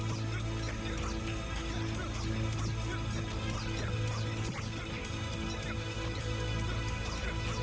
sama seperti yesterday cailli madossah